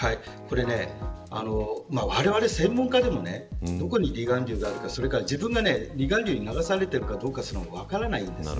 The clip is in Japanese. われわれ専門家でもどこに離岸流があるか自分が離岸流に流されているかどうかすらも分からないんです。